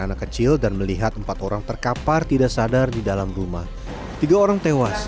anak kecil dan melihat empat orang terkapar tidak sadar di dalam rumah tiga orang tewas